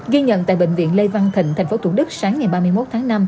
ghi nhận tại bệnh viện lê văn thịnh tp thủ đức sáng ngày ba mươi một tháng năm